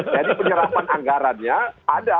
jadi penyerapan anggarannya ada